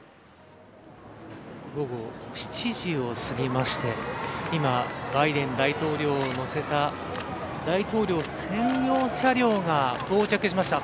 午後７時を過ぎまして今、バイデン大統領を乗せた大統領専用車両が到着しました。